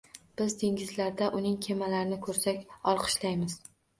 Biz dengizlarda uning kemalarini ko‘rsak olqishlaymiz